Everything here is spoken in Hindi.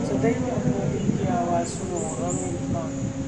सदैव अपने दिल की आवाज सुनो: आमिर खान